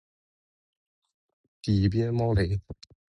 底边猫雷！